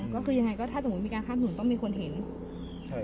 ก็คือยังไงก็ถ้าสมมุติมีการข้ามถนนต้องมีคนเห็นใช่